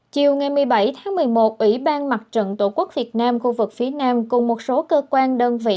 chiều ngày một mươi bảy tháng một mươi một ủy ban mặt trận tổ quốc việt nam khu vực phía nam cùng một số cơ quan đơn vị